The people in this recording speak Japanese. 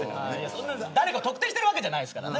誰か、特定してるわけじゃないですからね。